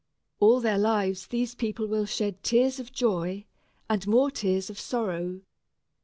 All their lives these people will shed tears of joy, and more tears of sorrow.